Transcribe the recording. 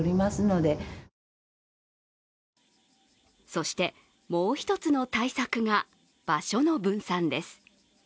そしてもう一つの対策が、場所の分散です。